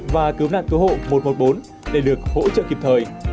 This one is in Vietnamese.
và cứu nạn cứu hộ một trăm một mươi bốn để được hỗ trợ kịp thời